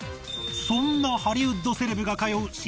そんなハリウッドセレブが通う